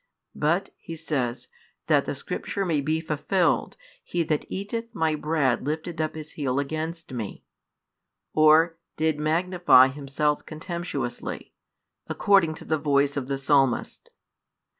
But, He says, that the Scripture may be fulfilled, He that eateth My bread lifted up his heel against Me, or, did magnify himself contemptuously, according to the voice of the Psalmist.